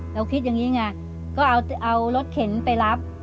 คิดอย่างนี้ไงก็เอารถเข็นไปรับ